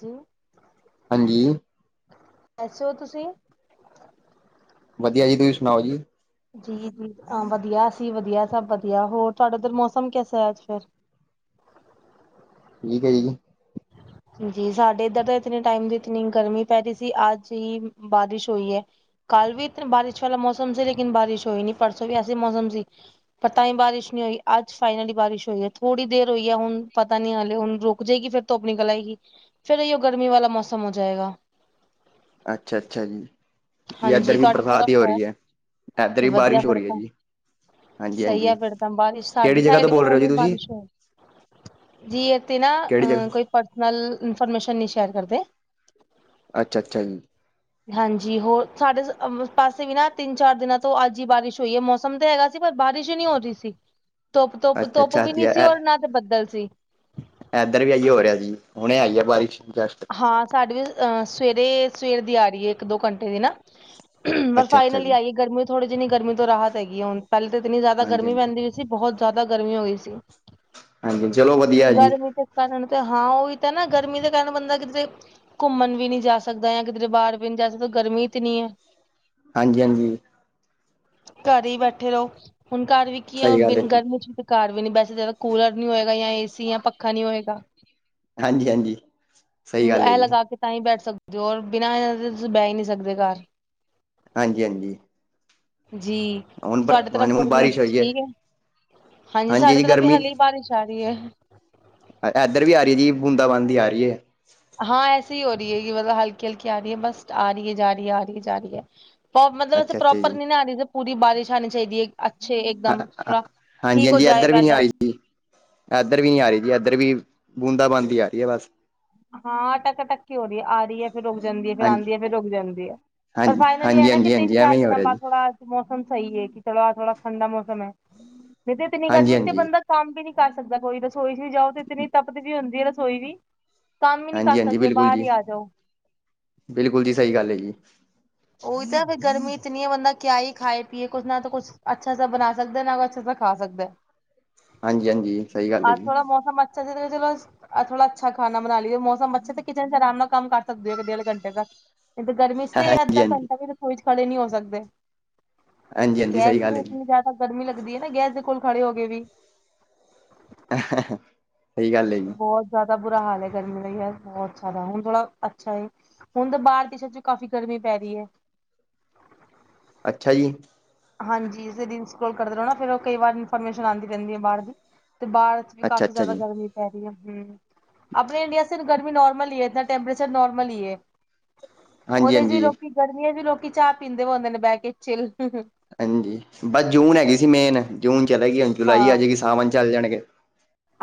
ਜੀ ਹਾਂਜੀ ਐਸੇ ਹੋ ਤੁਸੀਂ ਵਧੀਆ ਜੀ ਤੁਸੀਂ ਸੁਣਾਓ ਜੀ ਜੀ ਜੀ ਵਧੀਆ ਅਸੀਂ ਵਧੀਆ ਸਭ ਵਧੀਆ ਹੋਰ ਤੁਹਾਡਾ ਉੱਧਰ ਮੌਸਮ ਕੈਸਾ ਹੈ ਅੱਜ ਫਿਰ ਠੀਕ ਹੈ ਜੀ ਜ ਜੀ ਸਾਡੇ ਇੱਧਰ ਤਾਂ ਇਤਨ ਟਾਈਮ ਦੀ ਇਤਨੀ ਗਰਮੀ ਪੈ ਰਹੀ ਸੀ ਅੱਜ ਹੀ ਬਾਰਿਸ਼ ਹੋਈ ਹੈ ਕਾਲ੍ਹ ਵੀ ਇਥੇ ਬਾਰਿਛ ਵਾਲਾ ਮੌਸਮ ਸੀ, ਲੇਕਿਨ ਬਾਰਿਸ਼ ਹੋਈ ਨੀ, ਪਰਸੋਂ ਵੀ ਐਸੇ ਹੀ ਮੌਸਮ ਸੀ। ਪਰ ਤਾਂ ਹੀ ਬਾਰਿਸ਼ ਨਹੀ ਹੋਈ। ਅੱਜ ਫਾਈਨਲੀ ਬਾਰਿਸ਼ ਹੋਈ ਏ, ਥੋੜ੍ਹੀ ਦੇਰ ਹੋਈ ਏ ਹੁਣ, ਪਤਾ ਨਈ ਹਾਲੇ ਹੁਣ ਰੁਕ ਜਾਏਗੀ ਫਿਰ ਤੁਪ ਨਿਕਲ ਆਏਗੀ। ਫੇਰ ਏਹੀਓ ਗਰਮੀ ਵਾਲਾ ਮੌਸਮ ਹੋ ਜਾਏਗਾ। ਅੱਛਾ-ਅੱਛਾ ਜੀ। ਜੀ ਹਾਂਜੀ ਇੱਧਰ ਵੀ ਤੁਹਾਡੇ ਬਰਸਾਤ ਹੀ ਤਰਫ ਹੋ ਹੈ? ਰਹੀ ਇੱਧਰ ਤੇ ਵੀ ਵਧੀਆ ਬਾਰਿਸ਼ ਹੋ ਫਿਰ ਰਹੀ ਹੈ ਤਾਂ। ਜੀ। ਹਾਂਜੀ ਸਈ ਹਾਂਜੀ ਐ ਫ਼ਿਰ ਤਾਂ, ਬਾਰਿਸ਼ ਸਾਡੇ ਕਿਹੜੀ ਜਗ੍ਹਾ ਤੋਂ ਸਾਈਡ ਵੀ ਬੋਲ ਰਹੇ ਹੋ ਹੁਣ ਹੀ ਜੀ ਤੁਸੀਂ ਬਾਰਿਸ਼ ਹੋਈ। ਜੀ ਏਤੇ ਨਾ, ਕਿਹੜੀ ਅਹ ਜਗ੍ਹਾ ਕੋਈ ਪਰਸਨਲ ਇਨਫੋਰਮੇਸ਼ਨ ਨਈ ਸ਼ੇਅਰ ਕਰਦੇ। ਅੱਛਾ-ਅੱਛਾ ਜੀ। ਹਾਂਜ ਜੀ ਹੋਰ? ਸਾਡੇ ਅਮ ਪਾਸੇ ਵੀ ਨਾ ਤਿੰਨ, ਚਾਰ ਦਿਨਾਂ ਤੋਂ ਅੱਜ ਈ ਬਾਰਿਸ਼ ਹੋਈ ਏ, ਮੌਸਮ ਤੇ ਹੈਗਾ ਸੀ, ਪਰ ਬਾਰਿਸ਼ ਈ ਨਈ ਹੋ ਰਈ ਸੀ, ਅੱਛਾ ਤੁੱਪ-ਤੁੱਪ-ਤੁੱਪ ਅੱਛਾ ਵੀ ਜੀ ਨੀ ਸੀ, ਔਰ ਨਾ ਤੇ ਬੱਦਲ ਸੀ। ਐਦਰ ਵੀ ਏਈਉ ਹੋ ਰਿਆ ਜੀ, ਹੁਣੇ ਆਈਏ ਬਾਰਿਸ਼ ਈਦਰ। ਹਾਂ ਸਾਡੀੇ ਵੀ ਅਹ ਸਵੇਰੇ, ਸਵੇਰ ਦੀ ਆ ਰਈ ਏ, ਇੱਕ ਦੋ ਘੰਟੇ ਦੀ ਨਾ। ਪਰ ਅੱਛਾ ਅੱਛਾ ਫਾਈਨਲੀ ਜੀ ਆ ਗਈ ਗਰਮੀ ਥੋੜ੍ਹੀ ਜਿੰਨੀ, ਗਰਮੀ ਤੋਂ ਰਾਹਤ ਹੈਗੀ ਏ ਹੁਣ, ਪੈਲੇ ਤੇ ਇਤਨੀ ਜਾਦਾ ਹਾਂਜੀ ਗਰਮੀ ਹਾਂਜੀ ਪੈਂਦੀ ਸੱਚੀ ਬਹੋਤ ਜਾਦਾ ਗਰਮੀ ਹੋ ਗਈ ਸੀ। ਹਾਂਜੀ ਚਲੋ ਵਧੀਆ ਜੀ ਗਰਮੀ ਤੇ ਕਾਰਨ ਤੇ ਹਾਂ ਔਹੀ ਤੇ ਨਾ, ਗਰਮੀ ਦੇ ਕਾਰਨ ਬੰਦਾ ਕਿਦਰੇ ਘੁੰਮਣ ਵੀ ਨੀ ਜਾ ਸਕਦਾ, ਯਾ ਕਿਦਰੇ ਬਾਰ ਵੀ ਨੀ ਜਾ ਸਕਦਾ, ਗਰਮੀ ਇਤਨੀ ਐ। ਹਾਂਜੀ-ਹਾਂਜੀ। ਘਰ ਈ ਬੈਠੇ ਰੋ, ਹੁਣ ਘਰ ਵੀ ਕੀ ਔ ਸਹੀ ਗੱਲ ਹੈ ਜੀ ਗਰਮੀ ਚ ਘਰ ਵੀ ਨੀ ਬੈ ਸਕਦੇ, ਜਦੋਂ ਕੂਲਰ ਨੀ ਹੋਏਗਾ, ਯਾ ਏ ਸੀ ਯਾ ਪੱਖਾ ਨੀ ਹੋਏਗਾ। ਹਾਂਜੀ-ਹਾਂਜੀ। ਏਹ ਲਗਾ ਕੇ ਤਾਂ ਈ ਬੈਠ ਸਕਦੇ ਹੋ, ਔਰ ਬਿਨਾਂ [unintelligible] ਤੁਸੀਂ ਬੇਹ ਈ ਨਈ ਸਕਦੇ ਕਾਰ। ਹਾਂਜੀ-ਹਾਂਜੀ। ਜੀ, ਸਾਡੇ ਤਰਫ ਹੁਣ ਗਰਮੀ ਬਾਰਿਸ਼ ਹੋਈ ਹੈ ਠੀਕ ਏ? ਹਾਂਜੀ ਸਾਡੇ ਜੀ ਤਰਫ ਵੀ ਗਰਮੀ ਹਲੇ ਈ ਬਾਰਿਸ਼ ਸਾਰੀਏ। ਐਦਰ ਵੀ ਆ ਰਈ ਏ ਜੀ, ਬੂੰਦਾ ਬਾਂਦੀ ਆ ਰਈ ਏ। ਹਾਂ ਐਸੇ ਈ ਹੋ ਰਈ ਏ ਯੇ [unintelligible] ਹਲਕੀ-ਹਲਕੀ ਆ ਰਈ ਏ ਬਸ, ਆ ਰਈ ਹੈ, ਜਾ ਰਹੀ ਹੈ, ਆ ਰਹੀ ਹੈ, ਜਾ ਰਹੀ ਹੈ। ਪ ਮਤਲਬ ਵੈਸੇ ਅੱਛਾ ਅੱਛਾ ਪ੍ਰੋਪਰ ਜੀ ਨੀ ਨਾ ਆ ਰਈ, ਜ ਪੂਰੀ ਬਾਰਿਸ਼ ਆਣੀ ਚਾਹੀਦੀ ਏ? ਅੱਛੇ ਏਕਦਮ ਥੋੜਾ, ਠੀਕ ਹੋ ਜਾਏਗਾ ਐਦਰ। ਐਦਰ ਵੀ ਨਈ ਆ ਰਈ ਜੀ, ਐਦਰ ਵੀ ਬੂੰਦਾ ਬਾਂਦੀ ਆ ਰਈ ਏ ਬਸ। ਹਾਂ ਅਟੱਕ-ਅਟੱਕ ਕੇ ਹੋ ਰਈ ਏ, ਆ ਰਈ ਏ, ਫਿਰ ਰੁਕ ਜਾਂਦੀ ਏ, ਫਿਰ ਹਾਂਜੀ ਆਂਦੀ ਏ, ਫਿਰ ਰੁਕ ਜਾਂਦੀ ਏ। ਪਰ ਹਾਂਜੀ ਫਾਈਨਲੀ ਹਾਂਜੀ ਏਹ ਨਾ, ਕਿ ਹਾਂਜੀ ਤਿੰਨ, ਹਾਂਜੀ ਚਾਰ ਐਵੇਂ ਹੀ ਹੋ ਦਿਨਾਂ ਰਿਹਾ ਬਾਦ ਜੀ ਥੋੜਾ ਮੌਸਮ ਸਈ ਏ, ਕਿ ਥੋੜਾ-ਥੋੜਾ ਠੰਡਾ ਮੌਸਮ ਏ, ਨਈ ਤੇ ਇਤਨੀ ਹਾਂਜੀ ਗਰਮੀ ਚ ਤੇ ਹਾਂਜੀ ਬੰਦਾ ਕੰਮ ਵੀ ਨੀ ਕਰ ਸਕਦਾ ਕੋਈ, ਰਸੋਈ ਚ ਵੀ ਜਾਓ, ਤੇ ਇਤਨੀ ਤਪਤ ਵੀ ਹੁੰਦੀ ਏ ਰਸੋਈ ਵੀ। ਕੰਮ ਈ ਨਈ ਹਾਂਜੀ ਕਰ ਹਾਂਜੀ ਸਕਦੇ, ਬਿਲਕੁਲ ਬਾਰ ਜੀ ਈ ਆ ਜਾਓ। ਬਿਲਕੁਲ ਜੀ, ਸਈ ਗੱਲ ਏ ਜੀ। ਔਹੀ ਤਾਂ ਫਿਰ ਗਰਮੀ ਇਤਨੀ ਏ, ਬੰਦਾ ਕਿਆ ਈ ਖਾਏ ਪੀਏ? ਕੁਛ ਨਾ ਤੋਂ ਕੁੱਛ, ਅੱਛਾ ਸਾ ਬਣਾ ਸਕਦਾ, ਨਾ ਅੱਛਾ ਸਾ ਖਾ ਸਕਦਾ ਏ। ਹਾਂਜੀ ਹਾਂਜੀ ਸਹੀ ਗੱਲ ਹੈ ਅੱਜ ਜੀ ਥੋੜਾ ਮੌਸਮ ਅੱਛਾ [unintelligible] ਅੱਜ ਥੋੜਾ ਅੱਛਾ ਖਾਨਾ ਬਨਾ ਲਿਓ, ਮੌਸਮ ਅੱਛਾ, ਤੇ ਕਿਚਨ ਚ ਆਰਾਮ ਨਾਲ ਕੰਮ ਕਰ ਸਕਦੇ ਹੋ, ਇੱਕ ਡੇਢ ਘੰਟੇ ਤੱਕ। ਨਈ ਤੇ ਗਰਮੀ ਇੱਚ ਤੇ, ਹਾਂਜੀ ਅੱਦਾ ਹਾਂਜੀ ਘੰਟਾ ਵੀ, ਰਸੋਈ ਇੱਚ ਖੜੇ ਨੀ ਹੋ ਸਕਦੇ। ਹਾਂਜੀ ਹਾਂਜੀ ਗੈਸ ਸਹੀ ਦੇ ਗੱਲ ਵੀ ਹੈ ਜੀ ਇਤਨੀ ਜਾਦਾ ਗਰਮੀ ਲੱਗਦੀ ਏ ਨਾ, ਗੈਸ ਦੇ ਕੋਲ ਖੜੇ ਹੋ ਕੇ ਵੀ। ਸਈ ਗੱਲ ਏ ਜੀ। ਬਹੋਤ ਜਾਦਾ ਬੁਰਾ ਹਾਲ ਏ, ਗਰਮੀ ਦਾ ਈ ਯਾਰ ਬਹੋਤ ਜਾਦਾ, ਹੁਨ ਥੋੜਾ ਅੱਛਾ ਏ। ਹੁਨ ਤਾ ਬਾਰ ਦੇਸ਼ਾਂ ਚ, ਕਾਫ਼ੀ ਗਰਮੀ ਪੈ ਰੀ ਏ। ਅੱਛਾ ਜੀ। ਹਾਂਜੀ, ਰੀਲ ਸਕਰੋਲ ਕਰਦੇ ਰੋ ਨਾ, ਫੇਰ ਓ ਕਈ ਵਾਰ ਇਨਫੋਰਮੇਸ਼ਨ ਆਂਦੀ ਰੈਂਦੀ ਏ ਬਾਰ ਦੀ, ਤੇ ਬਾਰ ਵੀ ਅੱਛਾ ਕਾਫੀ ਅੱਛਾ ਜਾਦਾ ਜੀ ਗਰਮੀ [unintelligible] ਹੂੰ, ਆਪਣੇ ਇੰਡੀਆ ਸੇ ਤੋਂ ਗਰਮੀ ਨੋਰਮਲ ਈ ਏ, ਇਤਨਾ ਟੈੈਂਪਰੇਚਰ ਨੋਰਮਲ ਈ ਏ। ਹਾਂਜੀ ਓਦੇ ਚ ਵੀ ਹਾਂਜੀ ਲੋਕੀ, ਗਰਮੀਆਂ ਚ ਵੀ ਲੋਕੀ, ਚਾ ਪੀਂਦੇ ਹੁੰਦੇ ਨੇ ਬੈ ਕੇ ਚਿੱਲ। ਹਾਂਜੀ, ਬੱਸ ਜੂਨ ਹੈਗੀ ਸੀ ਮੇਨ, ਜੂਨ ਚਲੇ ਗੀ, ਹੁਨ ਜੁਲਾਈ ਆ ਹਾਂ। ਜੇਗੀ, ਸਾਵਣ ਚੱਲ ਜਾਣਗੇ।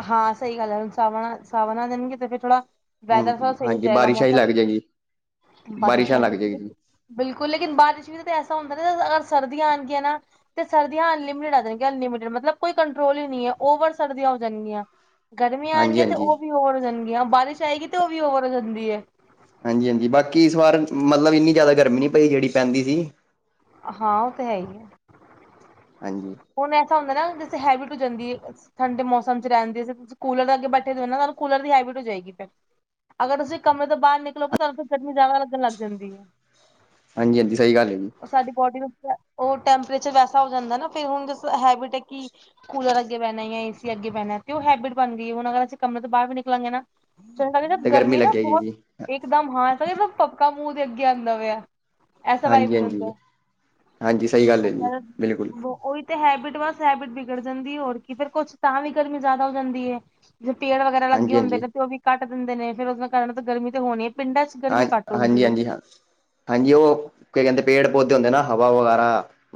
ਹਾਂ, ਸਈ ਗੱਲ ਐ, ਹੁਣ ਸਾਵਣਾ, ਸਾਵਣਾ ਦੇਨਗੇ ਤੇ ਫੇਰ ਥੋੜਾ ਵੈਦਰ ਸਹੀ ਹੋ ਹਾਂਜੀ ਜਾਏਗਾ ਬਾਰਿਸ਼ਾਂ ਹੀ ਮੌਸਮ ਲੱਗ ਜਾਏਗੀ ਬਾਰਿਸ਼ ਬਾਰਿਸ਼ਾਂ ਲੱ ਲੱਗ ਜਾਏਗੀ ਜੀ ਬਿਲਕੁਲ ਲੇਕਿਨ ਬਾਰਿਸ਼ ਵੀ ਤਾਂ ਐਸਾ ਹੁੰਦਾ ਨਾ ਅਗਰ ਸਰਦੀਆਂ ਆਉਣਗੀਆਂ ਨਾ ਤੇ ਸਰਦੀਆਂ ਅਨਲਿਮਟਿਡ ਆ ਜਾਣੀਆਂ ਅਨਲਿਮਿਟ ਮਤਲ ਕੋਈ ਕੰਟਰੋਲ ਹੀ ਨਹੀਂ ਹੈ ਓਵਰ ਸਰਦੀਆਂ ਜਾਣਗੀਆਂ ਗਰਮੀਆਂ ਹਾਂਜੀ ਆਣਗੀਆਂ ਤੇ ਹਾਂਜੀ ਉਹ ਵੀ ਉਵਰ ਹੋ ਜਾਣਗੀਆਂ ਬਾਰਿਸ਼ ਆਏਗੀ ਤੇ ਉਹ ਵੀ ਓਵਰ ਹੋ ਜਾਂਦੀ ਹੈ ਹਾਂਜੀ ਹਾਂਜੀ ਬਾਕੀ ਇਸ ਵਾਰ ਮਤਲਬ ਇੰਨੀ ਜ਼ਿਆਦਾ ਗਰਮੀ ਨਹੀਂ ਪਈ ਜਿਹੜੀ ਪੈਂਦੀ ਸੀ ਹਾਂ ਉਹ ਤਾਂ ਹੈ ਹੀ ਆ ਹਾਂਜੀ। ਹੁਨ ਐਸਾ ਹੁੰਦਾ ਨਾ, ਜੈਸੇ ਹੈਬਿਟ ਹੋ ਜਾਂਦੀ ਏ। ਠੰਡੇ ਮੌਸਮ ਚ ਰੈਂਦੇ ਸੀ, ਤੁਸੀ ਕੂਲਰ ਦੇ ਅੱਗੇ ਬੈੇਠੇ ਦੇ ਓ ਨਾ, ਤਾਨੂੰ ਕੂਲਰ ਦੀ ਹੈਬਿਟ ਹੋ ਜਾਏਗੀ ਫੇਰ। ਅਗਰ ਤੁਸੀਂ ਕਮਰੇ ਤੋ ਬਾਰ ਨਿਕਲੋਗੇ, ਤਾਨੂੰ ਫੇਰ ਗਰਮੀ ਜਾਦਾ ਲੱਗਣ ਲੱਗ ਜਾਂਦੀ ਏ। ਹਾਂਜੀ, ਹਾਂਜੀ ਸਈ ਗੱਲ ਏ ਜੀ। ਉਹ ਸਾਡੀ ਬੋਡੀ ਨੂੰ ਓ ਟੈਂਪਰੇਚਰ ਵੈਸਾ ਹੋ ਜਾਂਦਾ ਨਾ, ਕ ਫਿਰ ਹੁਨ ਜਿਸ ਤਰਾ ਹੈਬਿਟ ਹੈ ਕਿ ਕੂਲਰ ਅੱਗੇ ਬੈਨਾ ਯਾ ਏਸੀ ਅੱਗੇ ਬੈਨਾ, ਤੇ ਓ ਹੈਬਿਟ ਬਨ ਗਈ ਏ ਹੁਨ, ਅਗਰ ਅਸੀ ਕਮਰੇ ਤੋ ਬਾਰ ਵੀ ਨਿਕਲਾਂਗੇ ਨਾ ਤੇ ਗਰਮੀ ਨਾ ਲੱਗੇਗੀ ਬਹੋਤ ਜੀ ਏਕਦਮ, ਹਾਂ, ਏਸਾ-ਜੈਸਾ ਪਬਕਾ ਮੂੰ ਦੇ ਅੱਗੇ ਆਂਦਾ ਪਯੈ। ਐਸਾ ਵਾਈਬਜ ਹੋ ਹਾਂਜੀ-ਹਾਂਜੀ। ਜਾਂਦੈ ਹਾਂਜੀ ਹਾਂਜੀ ਸਹੀ ਗੱਲ ਹੈ ਜੀ ਬਿਲਕੁਲ [inaudible] ਓਈ ਤੇ ਹੈਬਿਟ, ਬਸ ਹੈਬਿਟ ਬਿਗੜ ਜਾਂਦੀ ਏ, ਹੋਰ ਕੀ ਫੇਰ ਕੁਛ ਤਾਂ ਵੀ ਗਰਮੀ ਜਾਦਾ ਹੋ ਜਾਂਦੀ ਏ। ਜੇ ਪੇੜ ਵਗੈਰਾ ਲੱਗੇ ਹੁੰਦੇ ਹਾਂਜੀ-ਹਾਂਜੀ ਨੇ, ਤੇ ਔ ਵੀ ਕੱਟ ਦਿੰਦੇ ਨੇ, ਫੇਰ ਓਸਦੇ ਕਾਰਨ ਗਰਮੀ ਤੇ ਹੋਣੀ ਏ ਪਿੰਡਾਂ ਚ। ਹਾਂ, ਗਰਮੀ ਘੱਟ ਹਾਂਜੀ, ਹੁੰਦੀ ਹੈ। ਹਾਂਜੀ, ਹਾਂ। ਹਾਂਜੀ, ਓ ਕੀ ਕੈਂਦੇ ਪੇੜ-ਪੌਦੇ ਹੁੰਦੇ ਨਾ, ਹਵਾ ਵਗੈਰਾ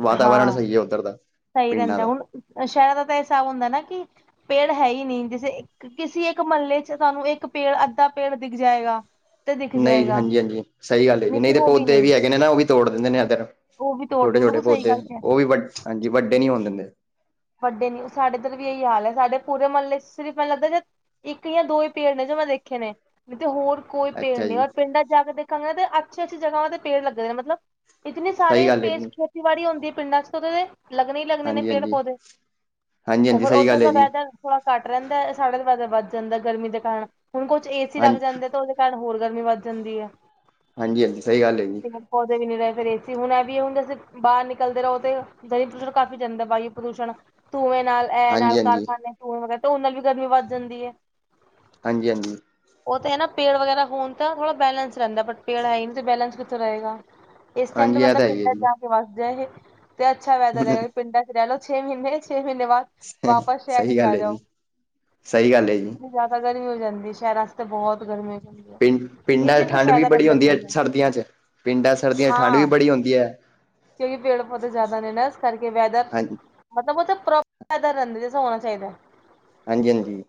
ਵਾਤਾਵਰਨ ਸਈ ਹੈ ਓੱਧਰ ਦਾ। ਸਈ ਪਿੰਡਾਂ ਰੈਂਦੈ ਦਾ ਹੁਨ ਸ਼ੈਰਾਂ ਦਾ ਤੇ ਏ ਹਿਸਾਬ ਹੁੰਦਾ ਨਾ ਕਿ ਪੇੜ ਹੈ ਈ ਨੀ ਜਿਸੇ ਕਿਸੀ ਏੱਕ ਮੱਲੇ ਚ ਤਾਨੂੰ ਇੱਕ ਪੇੜ, ਅੱਧਾ ਪੇੜ ਦਿਖ ਜਾਏਗਾ। ਤੇ ਦਿਖ ਨਈ, ਜਾਏਗਾ ਹਾਂਜੀ, ਹਾਂਜੀ, ਸਈ ਗੱਲ ਏ ਜੀ। ਨਹੀਂ ਨਈ ਤੇ ਉਹ ਪੌਦੇ ਨਹੀਂ ਵੀ ਹੈਗੇ ਨੇ ਨਾ, ਓਵੀ ਤੋੜ ਦਿੰਦੇ ਨੇ ਐੱਦਰ ਉਹ ਵੀ ਤੋੜ ਛੋਟੇ-ਛੋਟੇ ਬਿਲਕੁਲ ਸਹੀ ਪੌਦੇ ਗੱਲ ਕਹਿ ਰਹੇ ਹੋ। ਓਵੀ ਵੱਡ, ਹਾਂਜੀ, ਵੱਡੇ ਨੀ ਹੋਨ ਦਿੰਦੇ। ਵੱਡੇ ਨੀ, ਓ ਸਾਡੇ ਇੱਧਰ ਵੀ ਏਈ ਹਾਲ ਹੈ, ਸਾਡੇ ਪੂਰੇ ਮੱਲੇ ਚ ਸਿਰਫ ਮੈਨੂੰ ਲੱਗਦਾ ਜੇ ਇੱਕ ਯਾਂ ਦੋ ਹੀ ਪੇੜ ਨੇ ਜੋ ਮੈਂ ਦੇਖੇ ਨੇ, ਨਈ ਤੇ ਹੋਰ ਕੋਈ ਪੇੜ ਅੱਛਾ ਨੀ, ਜੀ ਔਰ ਪਿੰਡਾਂ ਚ ਜਾ ਕੇ ਦੇਖਾਂਗੇ ਨਾ, ਤੇ ਅੱਛੇ-ਅੱਛੀ ਜਗਾਵਾਂ ਦੇ ਪੇੜ ਲੱਗੇ ਦੇ ਨੇ, ਮਤਲਬ ਇਤਨੀ ਸਹੀ ਸਾਰੇ ਗੱਲ ਹੈ ਸਪੇਸ ਜੀ। ਖੇਤੀਬਾੜੀ ਹੁੰਦੀ ਏ ਪਿੰਡਾਂ ਚ ਓਦੋ, ਤੇ ਲੱਗਨੇ ਹੀ ਲੱਗਨੇ ਨੇ ਹਾਂਜੀ-ਹਾਂਜੀ, ਪੇੜ-ਪੌਦੇ ਓ ਹਾਂਜੀ-ਹਾਂਜੀ ਫੇਰ ਸਹੀ ਓੱਧਰ ਗੱਲ ਹੈ ਦਾ ਜੀ ਵੈਦਰ ਥੋੜਾ ਘੱਟ ਰੈਂਦੈ, ਸਾਡਾ ਵੈਦਰ ਵੱਧ ਜਾਂਦੈ ਗਰਮੀ ਦੇ ਕਾਰਨ, ਹੁਣ ਕੁਛ ਏ ਸੀ ਲੱਗ ਹਾਂਜੀ। ਜਾਂਦੇ ਤੇ ਓਦੇ ਪੈਣ ਹੋਰ ਗਰਮੀ ਵੱਧ ਜਾਂਦੀ ਐ। ਹਾਂਜੀ, ਹਾਂਜੀ ਸਈ ਗੱਲ ਹੈਗੀ। ਪੌਦੇ ਵੀ ਨੀ ਰਏ, ਫੇਰ ਏ ਸੀ, ਹੁਨ ਐ ਵੀ ਹੁੰਦੇ ਸੀ। ਬਾਰ ਨਿਕਲਦੇ ਰਓ ਤੇ ਪ੍ਰਦੂਸ਼ਣ ਘੱਟ ਵੀ ਜਾਂਦੈ, ਵਾਯੁ ਪ੍ਰਦੂਸ਼ਣ ਧੂੰਏ ਨਾਲ, ਐ ਹਾਂਜੀ ਨਾਲ ਹਾਂਜੀ ਕਾਰਖਾਨੇ, ਧੂੰਏ ਵਗੈਰਾ ਉਦੇ ਨਾਲ ਵੀ ਗਰਮੀ ਵੱਧ ਜਾਂਦੀ ਏ। ਹਾਂਜੀ, ਹਾਂਜੀ। ਓ ਤੇ ਨਾ ਪੇੜ ਵਗੈਰਾ ਹੋਨ ਤਾਂ ਥੋੜਾ ਬੈਲੈਂਸ ਰੈਂਦੈ ਬਟ ਪੇੜ ਹੈ ਈ ਨਈ ਤੇ ਬੈਲੈਂਸ ਕਿੱਥੋਂ ਰਏਗਾ। ਇਸ ਟਾਈਮ ਤੇ ਹਾਂਜੀ ਇਹ ਬੰਦਾ ਤਾਂ ਹੈ ਹੀ ਹੈ ਪਿੰਡਾ ਚ ਜੀ ਜਾ ਵੱਸ ਜਾਏ, ਤੇ ਅੱਛਾ ਵੈਦਰ ਹੈਗੈ, ਪਿੰਡਾਂ ਇੱਚ ਰੈ ਲੋ, ਛੇ ਮੀਨੇ-ਛੇ ਮੀਨੇ ਬਾਦ ਵਾਪਸ ਸ਼ਹਰ ਹੀ ਸਹੀ ਜਾ ਗੱਲ ਆ ਹੈ ਜੀ ਜਾਓ ਸਹੀ ਗੱਲ ਹੈ ਜੀ ਜ਼ਿਆਦਾ ਗਰਮੀ ਹੋ ਜਾਂਦੀ ਸ਼ਹਿਰਾ ਚ ਤੇ ਬਹੁਤ ਗਰਮੀ ਹੋ ਜਾਂਦੀ ਹੈ ਪਿੰਡ ਇਸ ਪਿੰਡਾਂ ਚ ਚੀਜ਼ ਦਾ ਠੰਡ ਵੀ ਫਾਇਦਾ ਬੜੀ ਰਹਿੰਦਾ ਹੁੰਦੀ ਏ ਪਿੰਡਾਂ ਸਰਦੀਆਂ ਚ ਪਿੰਡਾਂ ਸਰਦੀਆਂ ਚ ਠੰਡ ਵੀ ਹਾਂ ਬੜੀ ਹੁੰਦੀ ਏ ਕਿਉਂਕਿ ਪੇੜ ਪੌਦੇ ਜ਼ਾਦਾ ਨੇ ਨਾ ਇਸ ਕਰਕੇ ਵੈਦਰ ਹਾਂਜੀ ਮਤਲਬ ਉਥੇ ਪ੍ਰੋ [unintelligible] ਰਹਿੰ ਜ ਹੋਣਾ ਚਾਹੀਦਾ ਹਾਂਜੀ ਹਾਂਜੀ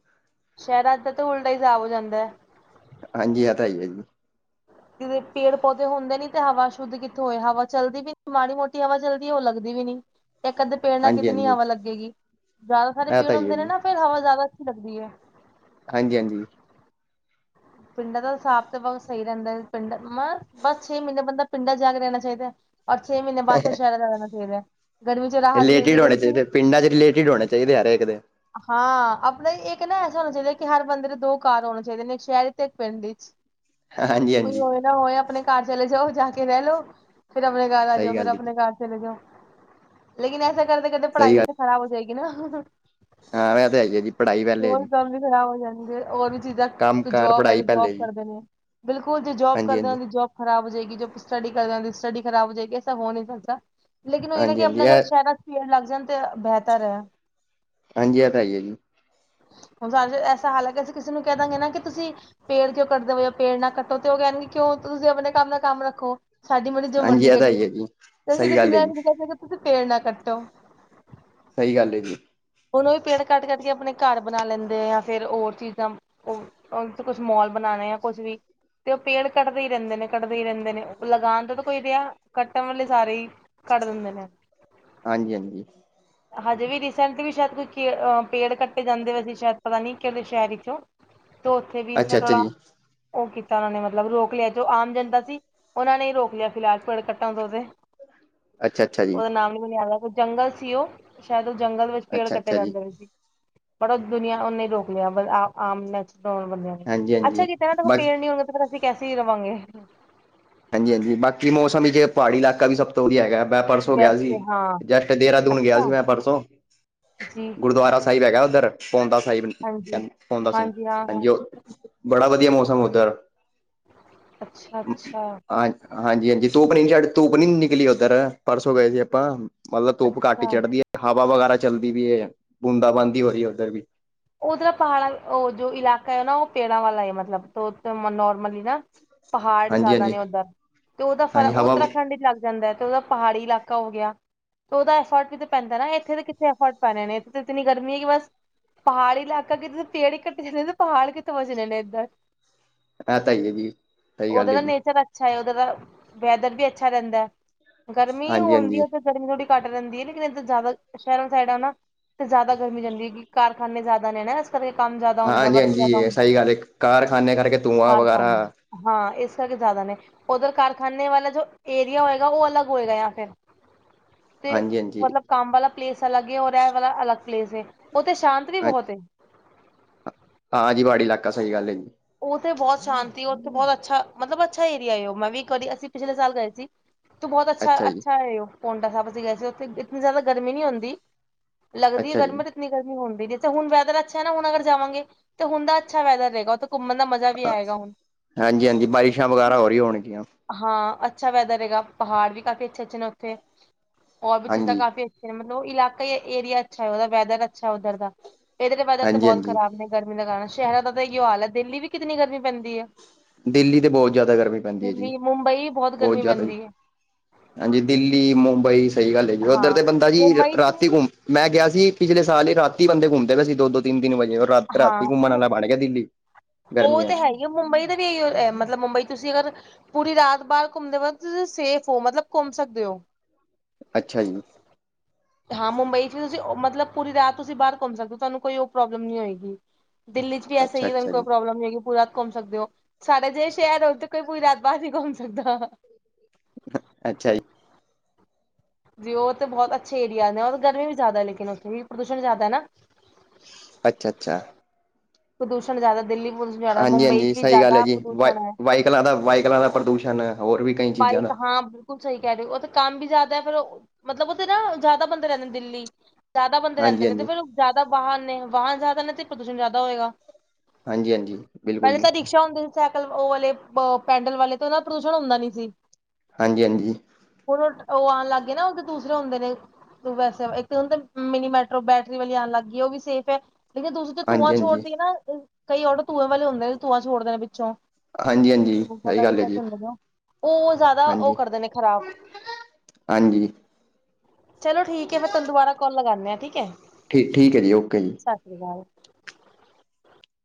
ਸ਼ਹਿਰਾ ਚ ਤਾਂ ਉਲਟਾ ਸਾਬ ਹੋ ਜਾਂਦੇ ਹਾਂਜੀ ਹਾਂ ਤਾਂਈ ਵ ਜੀ ਜ ਪੇੜ ਪੌਦੇ ਹੁੰਦੇ ਨੀ ਤੇ ਹਵਾ ਸ਼ੁੱਧ ਕਿੱਥੋਂ ਹੋਏ ਹਵਾ ਚਲਦੀ ਵੀ ਨ ਮਾੜੀ ਮੋਟੀ ਹਵਾ ਚੱਲਦੀ ਹੈ ਉਹ ਲੱਗਦੀ ਵੀ ਨੀ ਇਹ ਕਦੇ ਪੇੜ ਨਾਲ ਹਾਂਜੀ ਕਿਤਨੀ ਹਾਂਜੀ ਹਵਾ ਲੱਗੇਗੀ ਜ਼ਾਦਾ ਸਾਰੇ ਇਹ ਪੇੜ ਤਾਂ ਹੀ ਹੈ ਹੁੰਦੇ ਨੇ ਜੀ ਨਾ ਫੇਿਰ ਹਵਾ ਜ਼ਾਦਾ ਅੱਛੀ ਲੱਗਦੀ ਏ ਹਾਂਜੀ, ਹਾਂਜੀ ਪਿੰਡਾਂ ਦਾ ਹਿਸਾਬ ਤਾ ਬੋਤ ਸਈ ਰੈਂਦੈ, ਪਿੰਡਾ ਬਸ ਛੇ ਮੀਨੇ ਬੰਦਾ ਪਿੰਡਾਂ ਜਾ ਕੇ ਰੈਨਾ ਚਾਹੀਦੈ। ਔਰ ਛੇ ਮੀਨੇ ਬਾਦ ਫੇਰ ਸ਼ੈਰਾਂ ਚਾਹੀਦੈ, ਗਰਮੀ ਚ ਰਾਹਤ ਮਿਲਦੀ ਰੈਂਦੀ ਏ। ਚਾਈਦੈ ਹਰ ਏਕ ਦੇ ਹਾਂ, ਆਪਨਾ ਇੱਕ ਨਾ ਐਸਾ ਹੋਨਾ ਚਾਹੀਦਾ ਏ ਕਿ ਹਰ ਬੰਦੇ ਦੇ ਦੋ ਘਰ ਹੋਨੇ ਚਾਹੀਦੇ ਨੇ, ਇੱਕ ਸ਼ੈਰ ਇੱਚ ਇੱਕ ਪਿੰਡ ਇੱਚ, ਹਾਂਜੀ ਕੋਈ ਹਾਂਜੀ ਹੋਏ ਨਾ ਹੋਏ, ਆਪਣੇ ਘਰ ਚਲੇ ਜਾਓ, ਜਾ ਕੇ ਰੈ ਲੋ। ਫਿਰ ਆਪਣੇ ਘਰ ਆ ਜਾਓ ਸਹੀ ਫਿਰ ਗੱਲ ਜੀ ਆਪਣੇ ਘਰ ਚਲੇ ਜੋ ਲੇਕਿਨ ਐਸਾ ਕਰਦੇ ਕਰਦੇ ਪੜ੍ਹਾਈ ਸਹੀ ਵੀ ਗੱਲ ਤਾਂ ਖਰਾਬ ਹੋ ਜਾਏਗੀ ਨਾ ਹਾਂ ਇਹ ਤਾਂ ਹੈ ਹੀ ਹੈ ਜੀ ਪੜ੍ਹਾਈ ਪਹਿਲੇ ਹੈ ਹੋਰ ਜੀ ਕੰਮ ਵੀ ਖ਼ਰਾਬ ਹੋ ਜਾਣਗੇ ਹੋਰ ਵੀ ਚੀਜ਼ਾਂ ਕੰਮ ਕਾਰ ਜੋਬ ਹੈ ਪੜ੍ਹਾਈ ਜੋਬ ਪਹਿਲੇ ਜੀ ਕਰਦੇ ਨੇ ਬਿਲਕੁਲ ਜੇ ਜੋਬ ਹਾਂਜੀ ਕਰਦੇ ਹਾਂਜੀ ਜੋਬ ਖ਼ਰਾਬ ਹੋ ਜਾਏਗੀ ਜੋ ਸਟੱਡੀ ਕਰਦੇ ਸਟੱਡੀ ਖਰਾਬ ਹੋ ਜਾਏਗੀ ਐਸਾ ਹੋ ਨਹੀਂ ਸਕਦਾ ਲੇਕਿਨ ਉ ਇ ਏ ਨਾ ਹਾਂਜੀ ਕਿ ਹਾਂਜੀ ਆਪਣੇ ਇਹ ਸ਼ਹਿਰਾਂ ਚ ਪੀੜ ਲੱਗ ਜਾਣ ਤੇ ਬਿਹਤਰ ਏ ਹਾਂਜੀ ਐ ਤੇ ਹੇਈ ਐ ਜੀ ਹੁਣ ਸਾਰੇ ਐਸਾ ਹਾਲ ਹੈਕ ਅਸੀਂ ਕਿਸੇ ਨੂੰ ਕਹਿ ਦਾਂਗੇ ਨਾ ਕਿ ਤੁਸੀਂ ਪੇੜ ਕਿਉਂ ਕੱਟਦੇ ਹੋ ਪੇੜ ਨਾ ਕੱਟੋ ਤੇ ਉਹ ਕਹਿਣਗੇ ਕਿਉਂ ਤੁਸੀਂ ਆਪਣੇ ਕੰਮ ਨਾਲ ਕੰਮ ਰੱਖੋ ਸਾਡੀ ਮਰਜੀ ਜੋ ਹਾਂਜੀ ਮਰਜ਼ੀ ਇਹ ਤਾਂ ਕਰੀਏ ਹੈ ਜੀ ਤੇ ਅਸੀਂ ਸਹੀ ਕਿਸੇ ਗੱਲ ਹੈ ਜੀ ਨੂੰ ਨੀ ਕਹਿ ਸਕਦੇ ਤੁਸੀਂ ਫੇਰ ਨਾ ਕੱਟੋ ਸਹੀ ਗੱਲ ਏ ਜੀ ਹੁਣ ਵੀ ਪੇੜ ਕੱਟ ਕਟ ਕੇ ਆਪਣੇ ਘਰ ਬਣਾ ਲੈਂਦੇ ਆ ਫਿਰ ਹੋਰ ਚੀਜ਼ਾਂ ਉਹ ਕੁਛ ਮੋਲ ਬਣਾਣਾ ਆ ਕੁਛ ਵੀ ਤੇ ਉਹ ਪੇੜ ਕੱਟਦੇ ਹੀ ਰਹਿੰਦੇ ਨੇ ਕੱਟਦੇ ਹੀ ਰਹਿੰਦੇ ਨੇ ਉਹ ਲਗਾਉਣ ਤੋਂ ਤਾਂ ਕੋਈ ਰਿਹਾ ਕੱਟਣ ਵਾਲੇ ਸਾਰੇ ਹੀ ਕੱਟ ਦੇਂਦੇ ਨੇ ਹਾਂਜੀ ਹਾਂਜੀ ਹਜੇ ਵੀ ਵੀ ਸ਼ਾਇਦ ਕੋਈ ਪੇੜ ਕੱ ਜਾਂਦੇ ਵੈਸੀਂ ਸ਼ਾਇਦ ਪਤਾ ਨੀ ਕਿਹੜੇ ਸ਼ਹਿਰ ਵਿੱਚ ਉੱਥੇ ਵੀ ਅੱਛਾ ਸਰ ਅੱਛਾ ਜੀ ਓ ਕੀਤਾ ਉਹਨਾਂ ਨੇ ਮਤਲਬ ਰੋਕ ਲਿਆ ਜੋ ਆਮ ਜਨਤਾ ਸੀ ਉਨਾਂ ਨੇ ਰੋਕ ਲਿਆ ਫਿਲਹਾਲ ਪੇੜ ਕੱਟਣ ਦ ਅੱਛਾ ਅੱਛਾ ਜੀ ਉਦਾ ਨਾਮ ਨੀ ਮੈਨੂੰ ਯਾਦ ਜੰਗਲ ਸੀ ਓ ਸ਼ਾਇਦ ਓ ਜੰਗਲ ਵਿੱਚ ਪੇੜ ਅੱਛਾ ਕੱਟੇ ਅੱਛਾ ਜੀ ਜਾਂਦੇ ਨੇ ਜ ਬੜਾ ਦੁਨੀਆਂ ਉਨੇ ਰੋਕ ਲਿਆ ਆਮ ਨੈਚਲ ਬੰਦਿਆ ਨੇ ਹਾਂਜੀ ਅੱਛਾ ਹਾਂਜੀ ਕਿ ਕੀਤੇ ਨਾ ਬਸ ਪੇੜ ਨੀ ਹੋਣਗੇ ਤੇ ਫਿਰ ਅਸੀਂ ਕੈਸੀੇ ਰਵਾਂਗੇ ਹਾਂਜੀ, ਹਾਂਜੀ ਬਾਕੀ ਮੌਸਮ ਵਿੱਚ ਜੇ ਪਹਾੜੀ ਇਲਾਕਾ ਵੀ ਸਭ ਤੋਂ ਹੀ ਹੈਗਾ ਮੈਂ ਪਰਸੋਂ ਗਿਆ ਬੈਸਟ ਸੀ ਹਾਂ ਜਸ਼ਟ ਦੇਹਰਾਦੂਨ ਗਿਆ ਸੀ ਅੱਛਾ ਮੈਂ ਪਰਸੋਂ ਜੀ ਗੁਰਦੁਆਰਾ ਸਾਹਿਬ ਹੈਗੇ ਉੱਧਰ ਪਉਂਦਾ ਸਾਹਿਬ ਹਾਂਜੀ ਕਹਉਂਦਾ ਹਾਂ ਹਾਂ ਹਾਂਜੀ ਉਹ ਬੜਾ ਵਧੀਆ ਮੌਸਮ ਓਧਰ ਅੱਛਾ, ਅੱਛਾ ਹਾਂਜੀ ਹਾਂਜੀ ਧੂਪ ਨ ਧੂਪ ਨਹੀਂ ਨਿਕਲੀ ਉਧਰ ਪਰਸੋਂ ਗਏ ਸੀ ਆਪਾਂ ਮਤਲਬ ਧੁੱਪ ਘੱਟ ਹੀ ਅੱਛਾ ਚੜਦੀ ਏ ਹਵਾ ਵਗੈਰਾ ਚੱਲਦੀ ਵੀ ਏ ਬੂੰਦਾ ਬਾਂਦੀ ਹੋ ਰਹੀ ਏ ਉੱਧਰ ਵੀ ਉਧਰ ਪਹਾੜਾਂ ਜੋ ਇਲਾਕਾ ਹੈ ਨਾ ਉਹ ਪੇੜਾਂ ਵਾਲਾ ਹੈ ਮਤਲਬ ਨੋਰਮਲੀ ਨਾ ਪਹਾੜ ਹਾਂਜੀ ਜ਼ਿਆਦਾ ਹਾਂਜੀ ਨੇ ਉੱਧਰ ਤੇ ਉਹਦਾ ਫੇਰ ਹਾਂਜੀ ਹਵਾ ਉਤਰਾਖੰਡੱਗ ਦਾ ਜਾਂਦਾ ਤੇ ਉਹਦਾ ਪਹਾੜੀ ਇਲਾਕਾ ਹੋ ਗਿਆ ਤੇ ਉਹਦਾ ਫ਼ਰਕ ਤੇ ਪੈਂਦਾ ਨਾ ਇੱਥੇ ਤਾਂ ਕਿੱਥੇ ਫ਼ਰਕ ਪੈਣੇ ਨੇ ਇਥੇ ਤਾਂ ਇੰਨੀ ਗਰਮੀ ਏ ਕਿ ਬਸ ਪਹਾੜੀ ਇਲਾਕਾ ਕਿਤੇ ਪੇੜ ਹੀ ਕੱਟੇ ਜਾਂਦੇ ਪਹਾੜ ਕਿੱਥੋਂ ਬਚਨੇ ਨੇ ਇੱਧਰ ਇਹ ਤਾਂ ਹੀ ਹੈ ਜੀ ਸਹੀ ਗੱਲ ਉਹਦੇ ਹੈ ਦਾ ਜੀ ਨੇਚਰ ਅਾ ਅੱਛਾ ਹੈ ਉਧਰ ਦਾ ਵੈਦਰ ਵੀ ਅੱਛਾ ਰਹਿੰਦਾ ਗਰਮੀ ਹਾਂਜੀ ਹੁੰਦੀ ਹਾਂਜੀ ਹੈ। ਗਰਮੀ ਥੋੜੀ ਘੱਟ ਰਹਿੰਦੀ ਹੈ ਲੇਕਿਨ ਇੱਦਾਂ ਜ਼ਿਆਦਾ ਸ਼ਹਿਰ ਵਾਲੀ ਸਾਈਡ ਹੈ ਨਾ ਤੇ ਜ਼ਿਆਦਾ ਗਰਮੀ ਜਾਂਦੀ ਹੈਗੀ। ਕਾਰਖਾਨੇ ਜ਼ਿਆਦਾ ਨੇ ਨਾ ਘਰ ਕੰਮ ਜਿਆਦਾ ਹਾਂ ਹੁੰਦਾ ਹਾਂਜੀ ਵਰਕ ਜਿਆਦਾ ਹਾਂਜੀ ਹੁੰਦਾ ਸਹੀ ਗੱਲ ਹੈ ਕਾਰਖਾਨੇ ਕਰਕੇ ਧੂੰਆਂ ਚਰ ਖ ਵਗੈਰਾ ਹਾਂ ਇਸ ਕਰਕੇ ਜ਼ਿਆਦਾ ਨੇ ਉੱਧਰ ਕਾਰਖਾਨੇ ਵਾਲਾ ਜੋ ਏਰੀਆ ਹੋਏਗਾ ਉਹ ਅਲੱਗ ਹੋਏਗਾ ਆ ਫਿਰ [inaudible] ਤੇ ਹਾਂਜੀ ਹਾਂਜੀ ਮਤਲਬ ਕੰਮ ਵਾਲਾ ਪਲੇਸ ਅਲੱਗ ਉਹ ਰਹਿਣ ਮਵਾਲਾ ਅਲੱਗ ਪਲੇਸ ਉਥੇ ਸ਼ਾਂਤ ਵੀ ਬਹੁਤ ਹਾਂਜੀ ਪਹਾੜੀ ਇਲਾਕਾ ਸਹੀ ਗੱਲ ਹੈ ਜੀ। ਉਥੇ ਬਹੁਤ ਸ਼ਾਂਤੀ ਉਥੇ ਬਹੁਤ ਅੱਛਾ ਮਤਲਬ ਅੱਛਾ ਏਰੀਆ ਉਹ ਮੈਂ ਵੀ ਕਦੀ ਅਸੀਂ ਪਿਛਲੇ ਸਾਲ ਗਏ ਸੀ। ਤੂੰ ਬੋਤ ਅੱਛਾ ਅੱਛਾ ਏ ਉਹ ਪੋਂਟਾ ਸਾਹਿਬ ਅਸੀਂ ਗਏ ਸੀ ਉੱਥੇ ਇਤਨੀ ਜ਼ਿਆਦਾ ਗਰਮੀ ਨਹੀਂ ਹੁੰਦੀ ਲੱਗਦੀ ਏ ਅੱਛਾ ਜੀ ਗਰਮੀ ਤੇ ਇਤਨੀ ਗਰਮੀ ਹੁਣਦੀ ਨੀ ਤੇ ਹੁਣ ਵੈਦਰ ਅੱਛਾ ਹੇਨਾ ਹੁਣ ਅਗਰ ਜਾਵਾਂਗੇ ਤੇ ਹੁਣ ਦਾ ਅੱਛਾ ਵੈਦਰ ਰਹੇਗਾ ਉਹ ਹਾਂਜੀ ਹਾਂਜੀ ਬਾਰਿਸ਼ਾਂ ਵਗੈਰਾ ਹੋਰਈ ਹੋਣਗੀਆਂ ਹਾਂ ਅੱਛਾ ਵੈਦਰ ਹੈਗਾ ਪਹਾੜ ਵੀ ਕਾਫੀ ਅੱਛੇ ਅੱਛੇ ਨੇ ਉੱਥੇ ਹੋਰ ਵੀ ਚੀਜ਼ਾਂ ਹਾਂਜੀ ਕਾਫੀ ਅ ਮਤਲਬ ਇਲਾਕਾ ਏਰੀਆ ਅੱਛਾ ਹੈ ਉਹਦਾ ਵੈਦਰ ਅੱਛਾ ਉੱਧਰ ਦਾ ਇਹਦੇ ਵੈਦਰ ਤੇ ਹਾਂਜੀ ਬਹੁਤ ਹਾਂਜੀ ਖ਼ਰਾਬ ਨੇ ਗਰਮੀ ਲਗਾਣਾ ਸ਼ਹਿਰਾਂ ਦਾ ਤਾਂ ਇਹੀਓ ਹਾਲ ਹੈ ਦਿੱਲੀ ਵੀ ਕਿਤਨੀ ਗਰਮੀ ਪੈਂਦੀ ਹੈ ਦਿੱਲੀ ਤੇ ਬਹੁਤ ਜ਼ਿਆਦਾ ਗਰਮੀ ਪੈਂਦੀ ਹੈ ਜੀ ਦਿੱਲੀ, ਮੁੰਬਈ ਬਹੁਤ ਗਰਮੀ ਜ਼ਿਆਦਾ ਪੈਂਦੀ ਏ, ਹਾਂਜੀ ਦਿੱਲੀ ਮੁੰਬਈ ਸਹੀ ਗੱਲ ਹੈ ਜੀ ਉੱਧਰ ਹਾਂ ਤੇ ਬੰਦਾ ਜੀ ਮੁੰਬਈ ਚ ਰਾਤੀ ਵੀ ਘੁੰਮ ਮੈਂ ਗਿਆ ਸੀ ਪਿਛਲੇ ਸਾਲ ਹੀ ਰਾਤੀ ਬੰਦੇ ਘੁੰਮਦੇ ਪਏ ਸੀ ਦੋ ਦੋ ਤਿੰਨ ਦਿਨ ਵਜੇ ਔਰ ਹਾਂ ਰਾਤੀ ਘੁੰਮਣ ਮੁ ਵਾਲਾ ਬਣ ਗਿਆ ਦਿੱਲੀ ਉਹ ਗਰਮੀਆਂ ਤਾਂ ਚ ਹੈ ਹੀ ਉਹ ਮੁੰਬਈ ਦਾ ਵੀ ਇਹੀਓ ਮਤਲਬ ਮੁੰਬਈ ਤੁਸੀਂ ਅਗਰ ਪੂਰੀ ਰਾਤ ਬਾਹਰ ਘੁੰਮਦੇ ਵਕ਼ਤ ਤੁਸੀਂ ਸੇਫ ਹੋ ਮਤਲਬ ਘੁੰਮ ਸਕਦੇ ਹੋ ਅੱਛਾ ਜੀ ਹਾਂ ਮੁੰਬਈ ਚ ਤੁਸੀਂ ਮਤਲਬ ਪੂਰੀ ਰਾਤ ਤੁਸੀਂ ਬਾਹਰ ਘੁੰਮ ਸਕਦੇ ਹੋ ਤੁਹਾਨੂੰ ਕੋਈ ਉਹ ਪ੍ਰੋਬਲਮ ਨਹੀਂ ਹੋਏਗੀ ਦਿੱਲੀ ਚ ਵੀ ਐਸਾ ਹੀ ਅੱਛਾ-ਅੱਛਾ ਕੋਈ ਜੀ, ਪ੍ਰੋਬਲਮ ਨਹੀਂ ਹੈਗੀ ਪੂਰੀ ਰਾਤ ਘੁੰਮ ਸਕਦੇ ਹੋ ਸਡਾ ਜੇਹੇ ਸ਼ਹਿਰ ਹੋ ਤੇ ਕੋਈ ਪੂਰੀ ਰਾਤ ਬਾਹਰ ਨੀ ਘੁੰਮ ਸਕਦਾ ਅੱਛਾ ਜ ਜੀ ਉਹਥੇ ਬਹੁਤ ਅੱਛੇ ਏਰੀਆਜ਼ ਨੇ ਔਰ ਗਰਮੀ ਵੀ ਜ਼ਿਆਦਾ ਲੇਕਿਨ ਉੱਥੇ ਵੀ ਪ੍ਰਦੂਸ਼ਣ ਜ਼ਿਆਦਾ ਹੈ ਨਾ ਅੱਛਾ ਅੱਛਾ ਪ੍ਰਦੂਸ਼ਣ ਜ਼ਿਆਦਾ ਦਿੱਲੀ ਪ੍ਰਦੂਸ਼ਣ ਜ਼ਿਆਦਾ ਹਾਂਜੀ ਮੁੰਬਈ ਹਾਂਜੀ ਚ ਵੀ ਸਹੀ ਗੱਲ ਹੈ ਜ਼ਿਆਦਾ ਜੀ ਵਾਈ ਪ੍ਰਦੂਸ਼ਣ ਹੈ। ਵਾਈਕਲਾਂ ਦਾ ਵਾਈਕਲਾਂ ਦਾ ਪ੍ਰਦੂਸ਼ਣ ਹੋਰ ਵੀ ਕਈ ਚੀਜ਼ਾਂ ਬਾਈਕ ਦਾ ਹਾਂ ਬਿਲਕੁਲ ਸਹੀ ਕਹਿ ਰਹੇ ਹੋ ਉਥੇ ਕੰਮ ਵੀ ਜ਼ਿਆਦਾ ਫੇਰ ਮਤਲਬ ਉਥੇ ਨਾ ਜ਼ਿਆਦਾ ਬੰਦੇ ਰਹਿੰਦੇ ਨੇ ਦਿੱਲੀ ਜ਼ਿਆਦਾ ਬੰਦੇ ਰਹਿੰਦੇ ਨੇ ਤੇ ਹਾਂਜੀ-ਹਾਂਜੀ, ਫਿਰ ਉਹ ਜ਼ਿਆਦਾ ਵਾਹਨ ਨੇ ਵਾਹਨ ਜ਼ਿਆਦਾ ਨੇ ਤੇ ਪ੍ਰਦੂਸ਼ਣ ਜ਼ਿਆਦਾ ਹੋਏਗਾ ਹਾਂਜੀ ਹਾਂਜੀ ਬਿਲਕੁਲ ਜੀ ਰਸ਼ਾ ਹੁੰਦੇ ਸੀ ਸਾਈਕਲ ਉਹ ਵਾਲੇ ਅ ਪੈਂਡਲ ਵਾਲੇ ਤੇ ਉਹਦਾ ਪ੍ਰਦੂਸ਼ਣ ਹੁੰਦਾ ਨੀ ਸੀ ਹਾਂਜੀ ਹਾਂਜੀ ਉਦੋਂ ਉਹ ਆਣ ਲੱਗ ਗਏ ਨਾ ਉਹ ਦੂਸਰੇ ਹੁੰਦੇ ਨੇ ਤੂੰ ਵੈਸੇ ਇੱਕ ਹੁਣ ਮਿਨੀ ਮੈਟਰੋ ਬੈਟਰੀ ਵਾਲੀ ਆਣ ਲੱਗ ਗਈ ਉਹ ਵੀ ਸੇਫ ਹੈ ਲੇਕਿਨ ਦੂ ਧੂੰਆਂ ਹਾਂਜੀ-ਹਾਂਜੀ, ਛੋੜਦੀ ਏ ਨਾ ਕਈ ਔਟੋ ਧੂੰਏ ਵਾਲੇ ਹੁੰਦੇ ਨੇ ਧੂੰਆ ਛੋੜਦੇ ਨੇ ਪਿੱਛੋਂ। ਹਾਂਜੀ ਹਾਂਜੀ ਪਤਾ ਨੀ ਕਿਆ [unintelligible] ਉਹ ਜ਼ਿਆਦਾ ਉਹ ਹਾਂਜੀ। ਕਰਦੇ ਨੇ ਖ਼ਰਾਬ ਹਾਂਜੀ ਚਲੋ ਠੀਕ ਹੈ ਮੈਂ ਤਾਂਨੂੰ ਦੁਬਾਰਾ ਕੋਲ ਲਗਾਨੇ ਆਂ ਠੀਕ ਹੈ ਠੀਕ ਠੀਕ ਹੈ ਜੀ ਓਕੇ ਜੀ ਸਤਿ ਸ਼੍ਰੀ ਅਕਾਲ